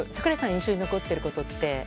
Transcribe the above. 印象に残っていることは？